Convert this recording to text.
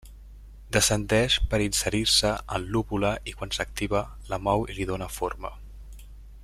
Descendeix per inserir-se en l'úvula i quan s'activa, la mou i li dóna forma.